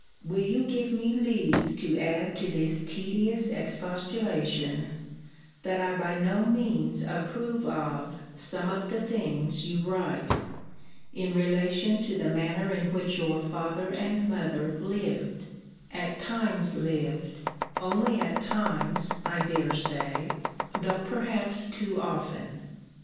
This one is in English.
Will you give me leave to add to this tedious expostulation, that I by no means approve of some of the things you write, in relation to the manner in which your father and mother lived at times lived only at times, I dare say, though perhaps too often.